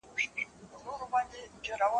در بخښلی په ازل کي یې قدرت دئ